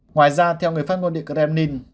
ngoài ra theo người phát ngôn địa kremlin